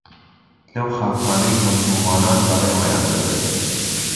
لەو خاکانەی کە موسڵمانان بەڕێوەیان دەبرد